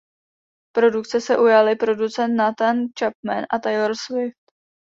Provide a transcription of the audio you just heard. Produkce se ujali producent Nathan Chapman a Taylor Swift.